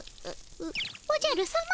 おじゃるさま